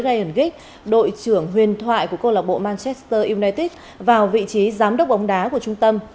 đội trưởng huyền thoại của cô lạc bộ manchester united vào vị trí giám đốc bóng đá của trung tâm